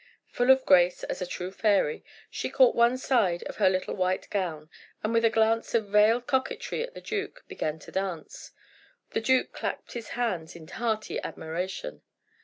Full of grace as a true fairy, she caught one side of her little white gown, and with a glance of veiled coquetry at the duke, began to dance. The duke clapped his hands in hearty admiration.